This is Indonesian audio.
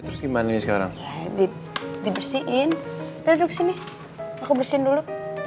terus gimana sekarang dibersihin traduksi nih aku bersin dulu